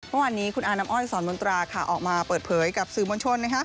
เมื่อวานนี้คุณอาน้ำอ้อยสอนมนตราออกมาเปิดเผยกับสื่อมวลชน